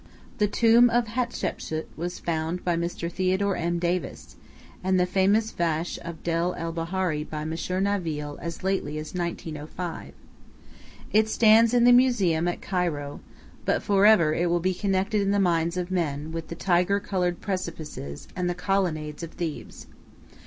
The tomb of Hatshepsu was found by Mr. Theodore M. Davis, and the famous Vache of Deir el Bahari by Monsieur Naville as lately as 1905. It stands in the museum at Cairo, but for ever it will be connected in the minds of men with the tiger colored precipices and the Colonnades of Thebes.